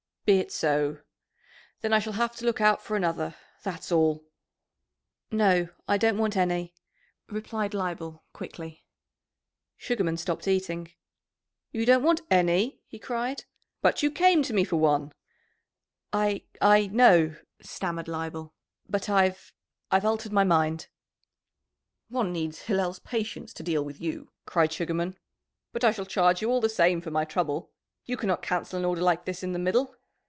"Be it so! Then I shall have to look out for another, that's all." "No, I don't want any," replied Leibel quickly. Sugarman stopped eating. "You don't want any?" he cried. "But you came to me for one?" "I I know," stammered Leibel. "But I've I've altered my mind." "One needs Hillel's patience to deal with you!" cried Sugarman. "But I shall charge you all the same for my trouble. You cannot cancel an order like this in the middle!